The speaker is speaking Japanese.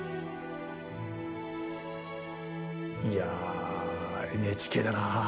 いやＮＨＫだなあ。